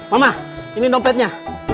mama ini dompetnya